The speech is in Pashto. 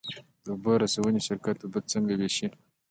د اوبو رسونې شرکت اوبه څنګه ویشي؟